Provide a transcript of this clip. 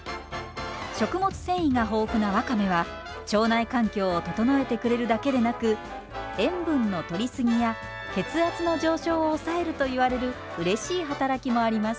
食物繊維が豊富なわかめは腸内環境を整えてくれるだけでなく塩分のとり過ぎや血圧の上昇を抑えるといわれるうれしい働きもあります。